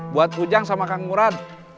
buat ujang sama kang murad